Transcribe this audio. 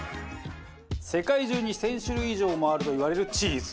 世界中に１０００種類以上もあるといわれるチーズ。